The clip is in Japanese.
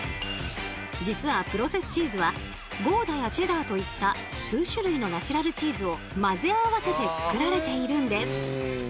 実はプロセスチーズはゴーダやチェダーといった数種類のナチュラルチーズを混ぜ合わせて作られているんです。